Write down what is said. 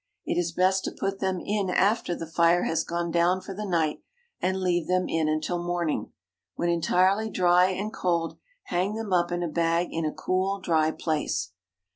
It is best to put them in after the fire has gone down for the night, and leave them in until morning. When entirely dry and cold, hang them up in a bag in a cool, dry place.